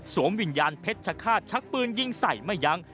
วิญญาณเพชรชะฆาตชักปืนยิงใส่ไม่ยั้ง